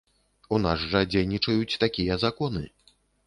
У нас жа дзейнічаюць такія законы.